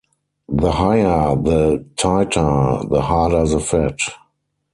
The higher the titer, the harder the fat.